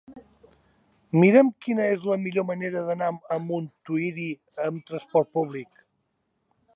Mira'm quina és la millor manera d'anar a Montuïri amb transport públic.